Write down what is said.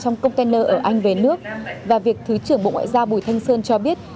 trong container ở anh về nước và việc thứ trưởng bộ ngoại giao bùi thanh sơn cho biết